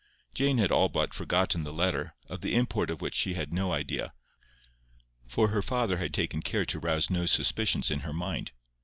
Jane had all but forgotten the letter, of the import of which she had no idea, for her father had taken care to rouse no suspicions in her mind.